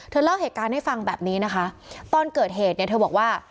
เล่าเหตุการณ์ให้ฟังแบบนี้นะคะตอนเกิดเหตุเนี่ยเธอบอกว่า